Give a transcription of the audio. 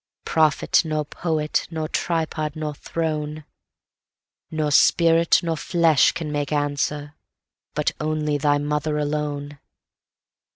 Prophet nor poetNor tripod nor throneNor spirit nor flesh can make answer, but only thy mother alone.